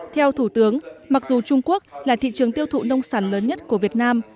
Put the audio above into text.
theo thủ tướng mặc dù trung quốc là thị trường tiêu thụ nông sản lớn nhất của việt nam